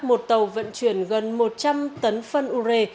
một tàu vận chuyển gần một trăm linh tấn phân ure